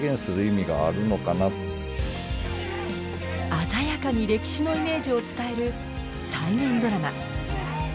鮮やかに歴史のイメージを伝える再現ドラマ。